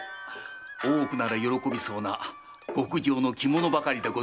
大奥なら喜びそうな極上の着物ばかりでございましょう。